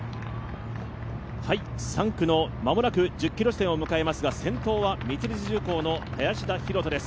３区の間もなく１０ｋｍ地点を迎えますが先頭は三菱重工の林田洋翔です。